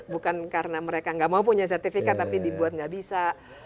bukan karena mereka nggak mau punya sertifikat tapi dibuat nggak bisa